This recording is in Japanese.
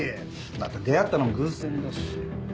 だって出会ったのも偶然だし。